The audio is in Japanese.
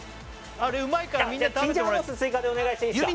あれうまいからみんな食べて青椒肉絲追加でお願いしていいですか？